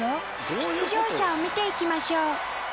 出場者を見て行きましょう。